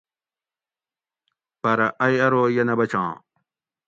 پرہ ائ ارو یہ نہ بچاں